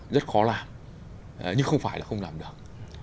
rất khó làm nhưng không phải là không làm được